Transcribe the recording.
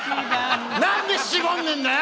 なんで絞んねえんだよ！